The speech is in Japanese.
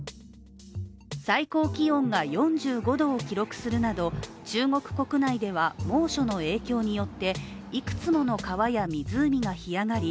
最高気温が４５度を記録するなど中国国内では猛暑の影響によっていくつもの川や湖が干上がり